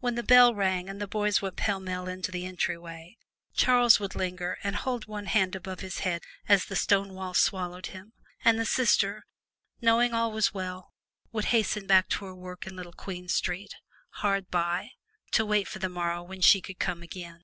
When the bell rang and the boys went pellmell into the entry way, Charles would linger and hold one hand above his head as the stone wall swallowed him, and the sister knowing that all was well would hasten back to her work in Little Queen Street, hard by, to wait for the morrow when she could come again.